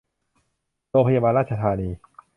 โรงพยาบาลราชธานี